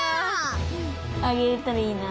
あげれたらいいな。